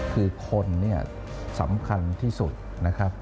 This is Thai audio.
คือคนสำคัญที่สุดนะครับ